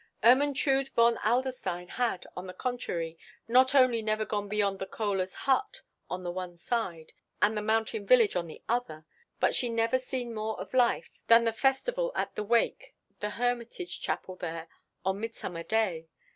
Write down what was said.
Ermentrude von Adlerstein had, on the contrary, not only never gone beyond the Kohler's hut on the one side, and the mountain village on the other, but she never seen more of life than the festival at the wake the hermitage chapel there on Midsummer day.